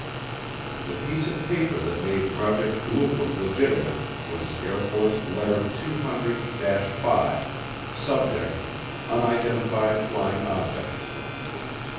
The piece of paper that made Project Blue Book legitimate was Air Force Letter 200 5, Subject: Unidentified Flying Objects.